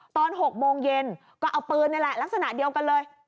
ตอน๖โมงเย็นก็เอาปืนนี่แหละลักษณะเดียวกันเลย